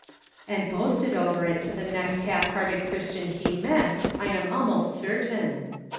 " And boasted over it to the next half hearted Christian he met, I am almost certain."